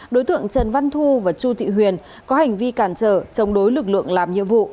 đối tượng trần văn thu và chu thị huyền có hành vi cản trở chống đối lực lượng làm nhiệm vụ